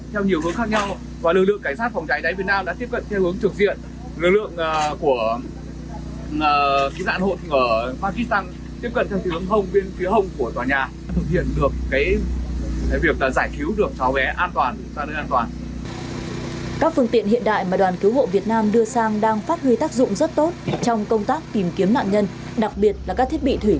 các phương tiện hiện đại mà đoàn cứu hộ việt nam đưa sang đang phát huy tác dụng rất tốt